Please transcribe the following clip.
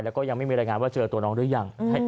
แล้วก็ยังไม่มีรายงานว่าเจอตัวน้องหรือยัง